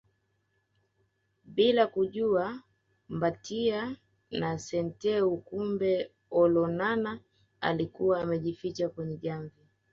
Bila kujua Mbatiany na Senteu kumbe Olonana alikuwa amejificha kwenye jamvi